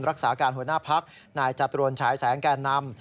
รักษาการหัวหน้าพักนายจตุรนฉายแสงแก่นำ